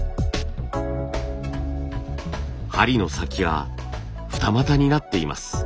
針の先が二股になっています。